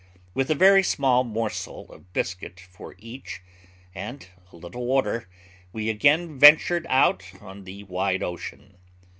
With a very small morsel of biscuit for each, and a little water, we again ventured out on the wide ocean.